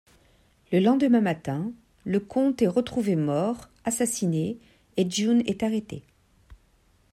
Le lendemain matin, le compte est retrouvé mort, assassiné, et June est arrêtée.